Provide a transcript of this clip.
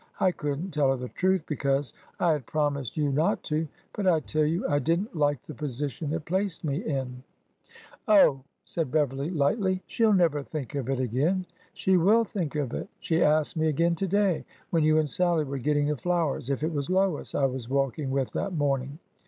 I could n't tell her the truth, because I had promised you not to, but I tell you I did n't like the position it placed me in." " Oh," said Beverly, lightly, " she 'll never think of it again." " She will think of it. She asked me again to day, when you and Sallie were getting the flowers, if it was Lois I was walking with that morning.